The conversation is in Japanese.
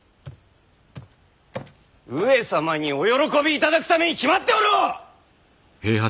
上様にお喜びいただくために決まっておろう！